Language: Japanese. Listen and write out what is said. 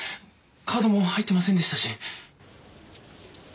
カードも入ってませんでしたし。